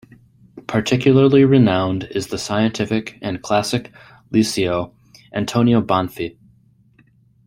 Particularly renowned is the Scientific and Classic Liceo "Antonio Banfi".